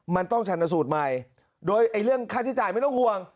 มันต้องชันสูตรใหม่โดยเรื่องค่าใช้จ่ายไม่ต้องห่วง